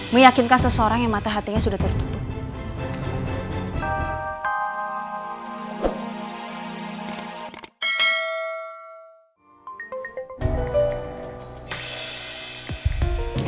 meyakinkan seseorang yang mata hatinya sudah tertutup